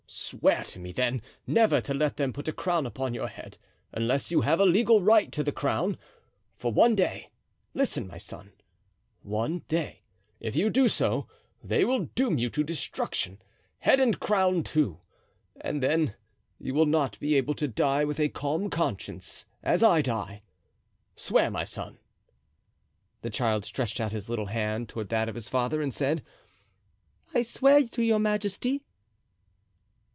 Swear to me, then, never to let them put a crown upon your head unless you have a legal right to the crown. For one day—listen, my son—one day, if you do so, they will doom you to destruction, head and crown, too, and then you will not be able to die with a calm conscience, as I die. Swear, my son." The child stretched out his little hand toward that of his father and said, "I swear to your majesty."